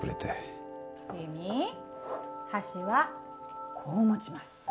優実箸はこう持ちます。